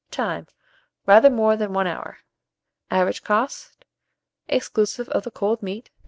Time. Rather more than 1 hour. Average cost, exclusive of the cold meat, 8d.